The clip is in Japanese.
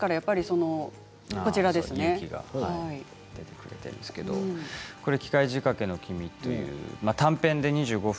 泉澤祐希が出てくるんですけど「機械仕掛けの君」という短編で２５分。